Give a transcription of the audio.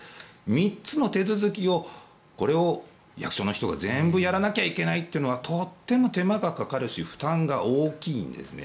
３つの手続きをこれを役所の人が全部やらなきゃいけないというのはとても手間がかかるし負担が大きいんですね。